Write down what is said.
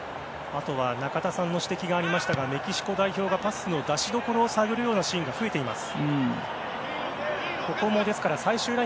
中田さんから指摘がありましたがメキシコ代表がパスの出しどころを探るようなシーンが増えています。